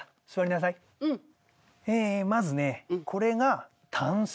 まずねこれが。